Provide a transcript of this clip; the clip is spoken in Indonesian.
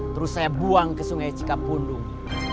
terus saya buang ke sungai cikapundung